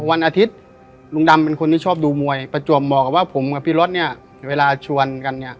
วันอาทิตย์ลุงดำเป็นคนที่ชอบดูมวยประจวบบอกกับว่าผมกับพี่รถเนี่ยเวลาชวนกันเนี่ย